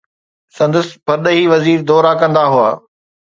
سندس پرڏيهي وزير دورا ڪندا هئا.